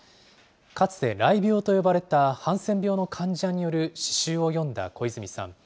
かつて、らい病と呼ばれたハンセン病の患者の詩集を読んだ小泉さん。